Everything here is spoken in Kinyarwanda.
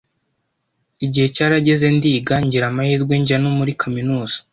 Igihe cyarageze ndiga, ngira amahirwe njya no muri kaminuza